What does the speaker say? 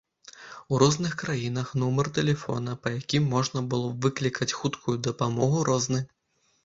У розных краінах нумар тэлефона, па якім можна было б выклікаць хуткую дапамогу, розны.